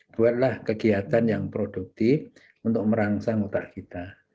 buatlah kegiatan yang produktif untuk merangsang otak kita